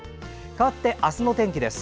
かわって明日の天気です。